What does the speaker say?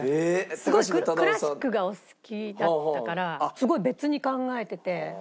すごくクラシックがお好きだったからすごい別に考えてて。